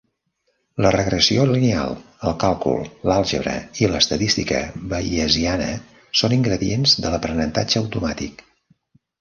La regressió lineal, el càlcul, l'àlgebra i l'estadística bayesiana són ingredients de l'aprenentatge automàtic.